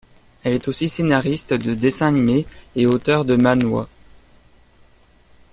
Elle est aussi scénariste de dessins animés et auteure de manhwa.